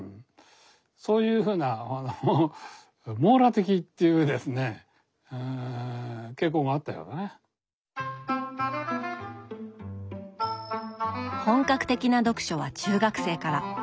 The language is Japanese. そういうふうな本格的な読書は中学生から。